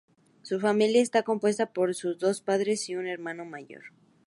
Su familia está compuesta por sus dos padres y un hermano mayor.